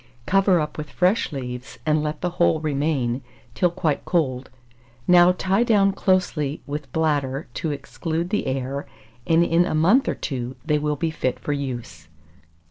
Cover up with fresh leaves, and let the whole remain till quite cold. Now tie down closely with bladder to exclude the air, and in a month or two, they will be fit for use.